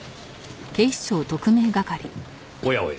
おやおや。